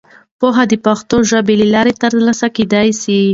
پوهه د پښتو ژبې له لارې ترلاسه کېدای سي.